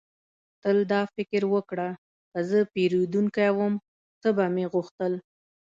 تل دا فکر وکړه: که زه پیرودونکی وم، څه به مې غوښتل؟